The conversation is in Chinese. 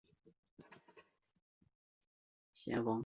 咸丰三年癸丑科进士。